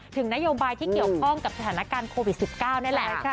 ถึงนโยบายที่เกี่ยวข้องกับสถานการณ์โควิด๑๙นี่แหละ